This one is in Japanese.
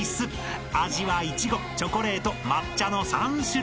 ［味はいちごチョコレート抹茶の３種類］